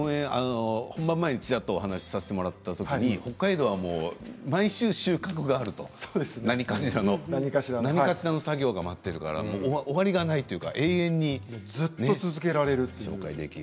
本番前にお話させてもらった時に北海道は毎週収穫があると何かしらの作業が待っているから終わりがないというか永遠にずっと続けられると。